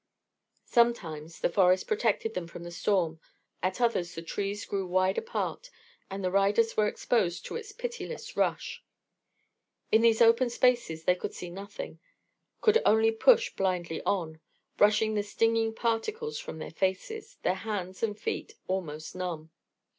Sometimes the forest protected them from the storm, at others the trees grew wide apart and the riders were exposed to its pitiless rush. In these open spaces they could see nothing, could only push blindly on, brushing the stinging particles from their faces, their hands and feet almost numb.